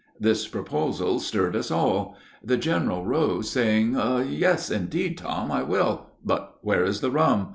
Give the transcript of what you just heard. This proposal stirred us all. The general rose, saying, "Yes, indeed, Tom, I will; but where is the rum?"